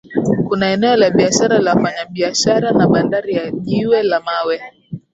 Kuna eneo la biashara la wafanyabiashara na Bandari ya Jiwe la Mawe